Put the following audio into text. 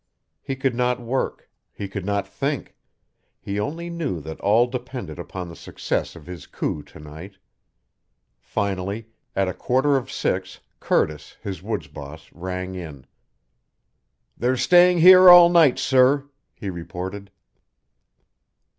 He could not work; he could not think. He only knew that all depended upon the success of his coup to night. Finally, at a quarter of six, Curtis, his woods boss rang in. "They're staying here all night, sir," he reported.